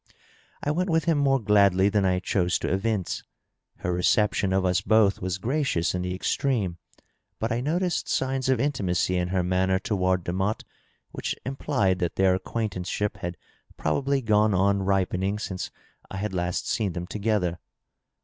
I went with him more gladly than I chose to evince. Her reception of us both was gracious in the extreme, but I noticed signs of intimacy in her manner toward Demotte which implied that their acquaintance ship had probably gone on ripening since I had last seen them together.